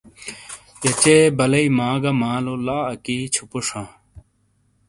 یچے بالیٔی ما گَہ مالو لا اَکی چھِپُوݜ ہَن ۔